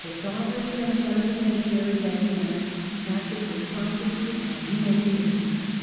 The sovereigns and plenipotentiaries at Vienna acted with promptitude and unanimity.